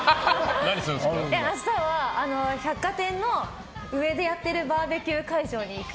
明日は百貨店の上でやってるバーベキュー会場に行く。